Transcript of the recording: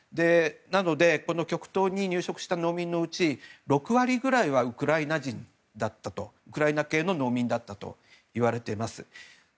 なので極東に入植した農民のうち６割ぐらいはウクライナ人だったとウクライナ系の農民だったと言われています。